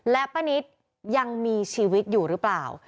และป้านิตยังมีชีวิตอยู่หรือเปล่า